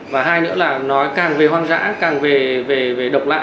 và hai nữa là nó càng về hoang dã càng về độc lạ